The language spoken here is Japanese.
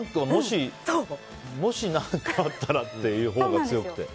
もし何かあったらっていうほうが強くて。